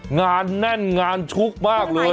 งานแน่นงานชุกมากเลย